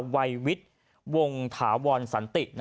วัยวิทย์วงถาวรสันติ